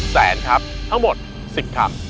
แสนครับทั้งหมดสิบครับ